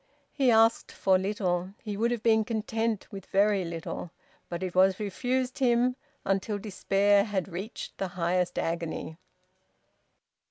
He asked for little; he would have been content with very little; but it was refused him until despair had reached the highest agony.